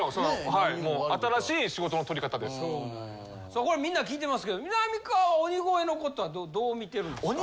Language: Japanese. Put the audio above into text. さあこれみんな聞いてますけどみなみかわは鬼越のことはどう見てるんですか？